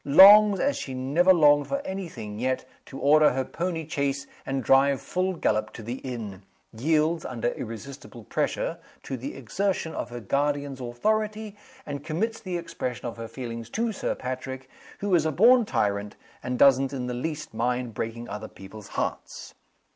Longs, as she never longed for any thing yet, to order her pony chaise and drive full gallop to the inn. Yields, under irresistible pressure, to t he exertion of her guardian's authority, and commits the expression of her feelings to Sir Patrick, who is a born tyrant, and doesn't in the least mind breaking other people's hearts.